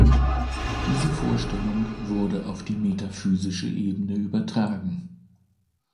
Diese Vorstellung wurde auf die metaphysische Ebene übertragen.